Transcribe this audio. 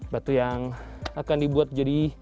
batu yang akan dibuat jadi